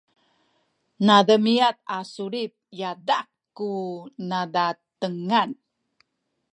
nademiad a sulit yadah ku nazatengan